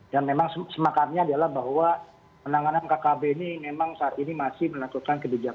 dan memang semakarnya adalah bahwa penanganan kkb ini memang saat ini masih melakukan kebijakan kebijakan hukum